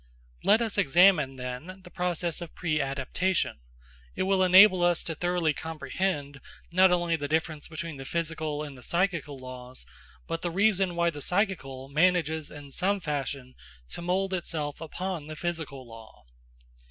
Let us examine, then, the process of preadaptation; it will enable us to thoroughly comprehend, not only the difference between the physical and the psychical laws, but the reason why the psychical manages in some fashion to mould itself upon the physical law.